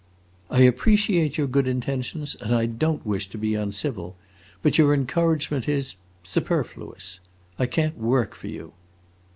"I appreciate your good intentions, and I don't wish to be uncivil. But your encouragement is superfluous. I can't work for you!"